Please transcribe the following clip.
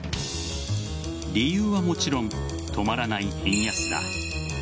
理由はもちろん止まらない円安だ。